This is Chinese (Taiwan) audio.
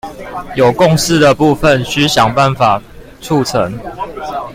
有共識的部分須想辦法促成